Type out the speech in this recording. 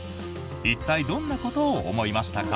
一体どんなことを思いましたか？